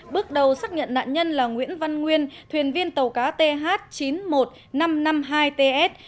bước đầu xác nhận nạn nhân là nguyễn văn nguyên thuyền viên tàu cá th chín mươi một nghìn năm trăm năm mươi hai ts